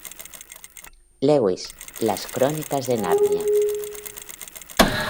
Lewis, "Las Crónicas de Narnia".